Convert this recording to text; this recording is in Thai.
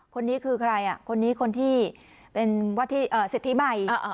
คนนี้คือใครคนนี้คนที่เป็นสิทธิใหม่